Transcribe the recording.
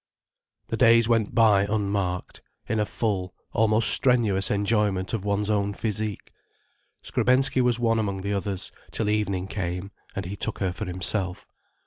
The days went by unmarked, in a full, almost strenuous enjoyment of one's own physique. Skrebensky was one among the others, till evening came, and he took her for himself.